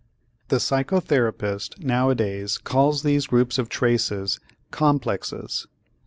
The psychotherapist nowadays calls these groups of traces "complexes."